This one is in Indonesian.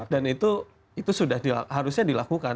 dan itu harusnya dilakukan